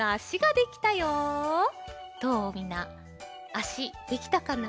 あしできたかな？